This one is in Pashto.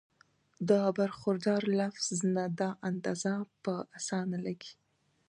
د برخوردار لفظ نه دا اندازه پۀ اسانه لګي